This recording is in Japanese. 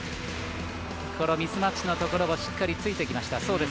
ミスマッチのところをしっかり突いてきました。